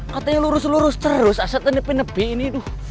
katanya lurus lurus terus asetnya di depan ini